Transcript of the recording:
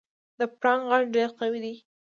د پړانګ غږ ډېر قوي دی.